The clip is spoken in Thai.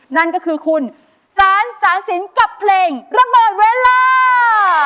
นั่นก็คือคุณสารสาสินกับเพลงระเบิดเวลา